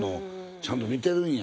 ちゃんと見てるんや。